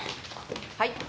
はい。